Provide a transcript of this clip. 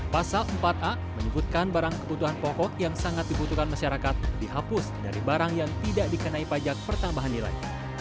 pasal empat a menyebutkan barang kebutuhan pokok yang sangat dibutuhkan masyarakat dihapus dari barang yang tidak dikenai pajak pertambahan nilai